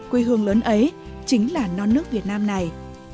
quê hương lớn ấy chính là non nước việt nam này